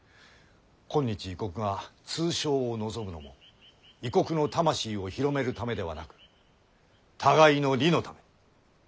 今日異国が通商を望むのも異国の魂を広めるためではなく互いの利のため。